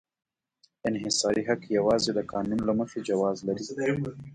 انحصاري حق یوازې د قانون له مخې جواز لري.